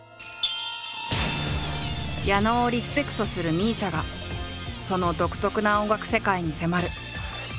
矢野をリスペクトするＭＩＳＩＡがその独特な音楽世界に迫る。